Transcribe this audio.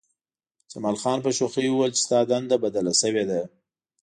جمال خان په شوخۍ وویل چې ستا دنده بدله شوې ده